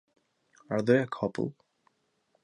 Are they a couple?